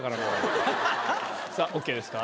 さぁＯＫですか？